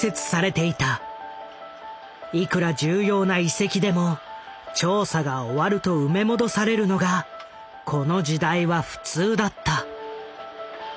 いくら重要な遺跡でも調査が終わると埋め戻されるのがこの時代は普通だった。